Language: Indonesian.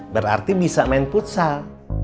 berarti bisa main futsal